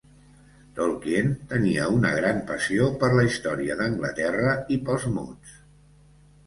Tolkien tenia una gran passió per la història d'Anglaterra i pels mots.